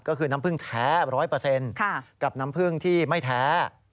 ก็คือน้ำผึ้งแท้๑๐๐กับน้ำผึ้งที่ไม่แท้